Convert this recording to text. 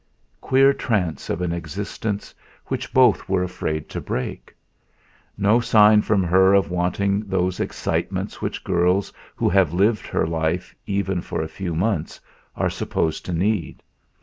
Queer trance of an existence, which both were afraid to break. No sign from her of wanting those excitements which girls who have lived her life, even for a few months, are supposed to need.